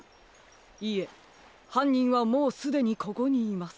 いえはんにんはもうすでにここにいます。